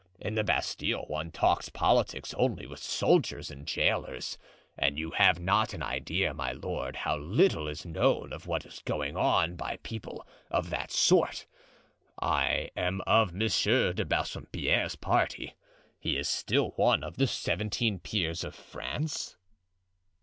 In the Bastile one talks politics only with soldiers and jailers, and you have not an idea, my lord, how little is known of what is going on by people of that sort; I am of Monsieur de Bassompierre's party. Is he still one of the seventeen peers of France?"